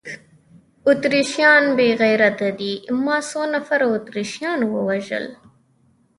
اتریشیان بې غیرته دي، ما څو نفره اتریشیان ووژل؟